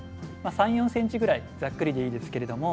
３、４ｃｍくらいざっくりでいいんですけど。